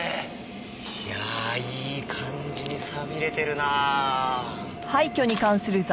いやあいい感じにさびれてるな。